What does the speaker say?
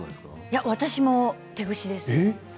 私も手ぐしです。